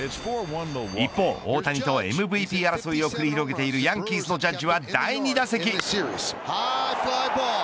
一方、大谷とＭＶＰ争いを繰り広げているヤンキースのジャッジは第２打席。